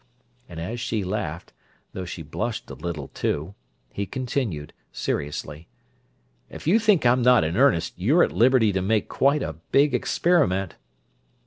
And as she laughed—though she blushed a little, too—he continued, seriously: "If you think I'm not in earnest you're at liberty to make quite a big experiment!"